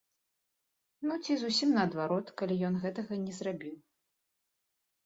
Ну ці зусім наадварот, калі ён гэтага не зрабіў.